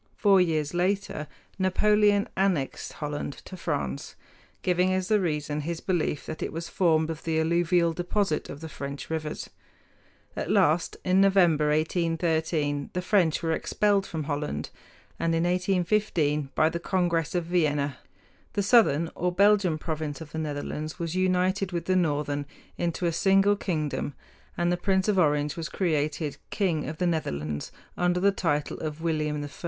Four years later Napoleon annexed Holland to France, giving as the reason his belief that it was formed of the alluvial deposit of French rivers. At last, in November, 1813, the French were expelled from Holland; and in 1815, by the Congress of Vienna, the southern or Belgian province of the Netherlands was united with the northern into a single kingdom, and the Prince of Orange was created king of the Netherlands under the title of William I.